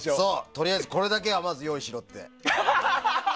とりあえずこれだけは用意しろって。